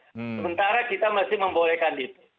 sementara kita masih membolehkan itu